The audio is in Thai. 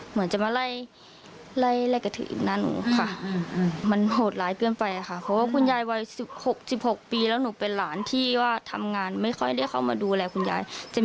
เหมือนจะมาไล่ไล่กระถือ